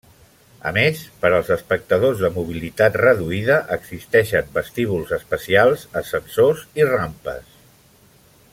A més, per als espectadors de mobilitat reduïda existeixen vestíbuls especials, ascensors i rampes.